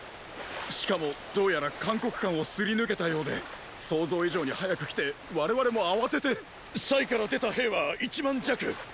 しかもどうやら函谷関をすり抜けたようで想像以上に早く来て我々も慌てて！から出た兵は一万弱。